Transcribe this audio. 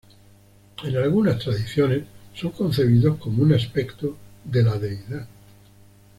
En algunas tradiciones son concebidos como un aspecto de la deidad.